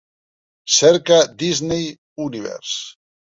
Cerca Disney Universe.